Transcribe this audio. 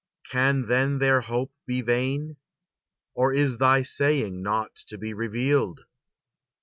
Can then their hope be vain? Or is thy saying not to be revealed?"